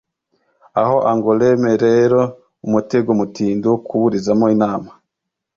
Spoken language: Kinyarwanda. aho angoulême rero umutego mutindi wo kuburizamo inama